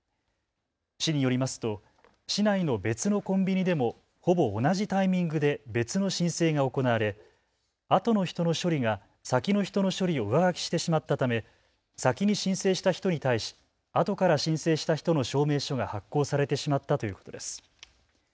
市によりますと市内の別のコンビニでもほぼ同じタイミングで別の申請が行われあとの人の処理が、先の人の処理を上書きしてしまったため先に申請した人に対し、あとから申請した人の証明書が発行されてしまったということです。